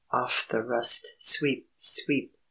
Off the rust! Sweep! Sweep!